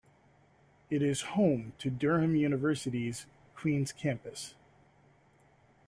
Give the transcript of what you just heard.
It is home to Durham University's Queen's Campus.